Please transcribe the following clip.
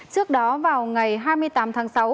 trước đó vào ngày hai mươi tám tháng sáu